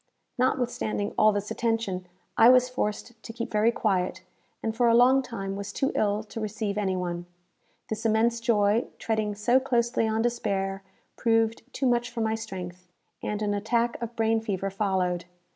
Notwithstanding all this attention, I was forced to keep very quiet, and for a long time was too ill to receive any one. This immense joy, treading so closely on despair, proved too much for my strength, and an attack of brain fever followed.